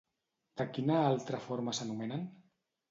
De quina altra forma s'anomenen?